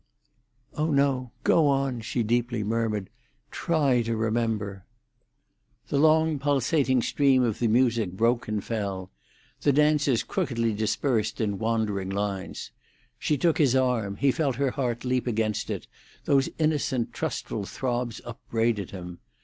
"Oh no; go on!" she deeply murmured. "Try to remember." The long, pulsating stream of the music broke and fell. The dancers crookedly dispersed in wandering lines. She took his arm; he felt her heart leap against it; those innocent, trustful throbs upbraided him.